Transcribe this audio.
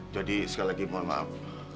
jadi sekali lagi mohon maaf